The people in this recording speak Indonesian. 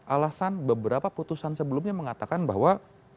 alasan beberapa putusan sebelumnya mengatakan bahwa